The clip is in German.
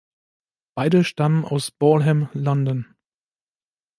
Beide stammen aus Balham, London.